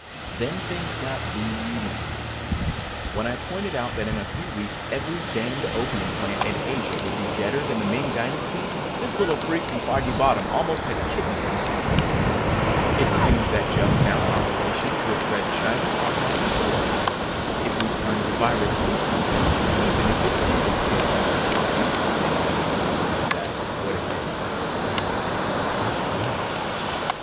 Then things got really messy. When I pointed out that in a few weeks every damned opium plant in Asia would be deader than the Ming Dynasty, this little creep from Foggy Bottom almost had kittens on the spot. It seems that just now our relations with Red China are highly delicate. If we turned the virus loose on them, even if it did kill only poppies (and he had his doubts about that. What if shudder it attacked rice?)